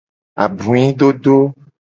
Abuidodo.